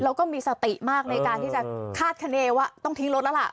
แล้วก็มีสติมากในการที่จะคาดคณีว่าต้องทิ้งรถแล้วล่ะ